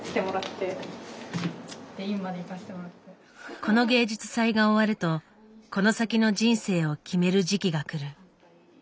この芸術祭が終わるとこの先の人生を決める時期がくる。